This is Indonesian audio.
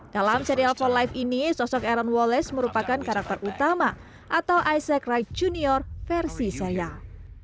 dalam serial for life ini sosok aaron wallace merupakan karakter utama atau isaac wright jr versi seyang